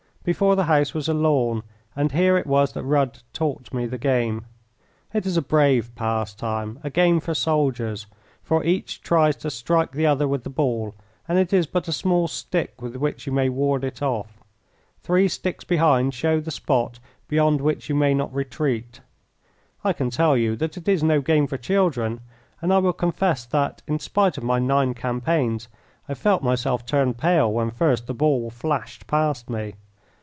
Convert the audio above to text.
Before the house was a lawn, and here it was that Rudd taught me the game. It is a brave pastime, a game for soldiers, for each tries to strike the other with the ball, and it is but a small stick with which you may ward it off. Three sticks behind show the spot beyond which you may not retreat. I can tell you that it is no game for children, and I will confess that, in spite of my nine campaigns, I felt myself turn pale when first the ball flashed past me.